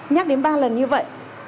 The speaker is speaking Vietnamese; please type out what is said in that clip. nhắc đến ba lần như vậy